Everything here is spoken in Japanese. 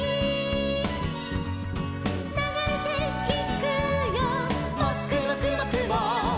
「ながれていくよもくもくもくも」